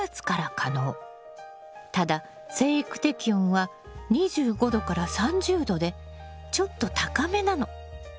ただ生育適温は２５℃３０℃でちょっと高めなの。